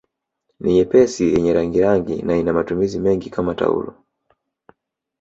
Ni nyepesi yenye rangirangi na ina matumizi mengi kama taulo